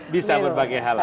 bisa berbagai hal